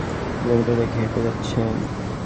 আর আমার বন্ধু ঘণ্টায় তিন কিলোমিটার বেগে হেঁটে যাচ্ছেন।